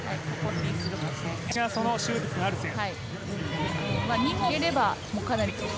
林がシュート力がある選手。